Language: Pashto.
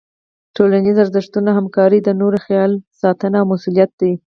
ټولنیز ارزښتونه همکاري، د نورو خیال ساتنه او مسؤلیت دي.